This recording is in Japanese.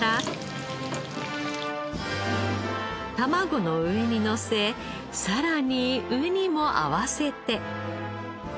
卵の上にのせさらにうにも合わせて。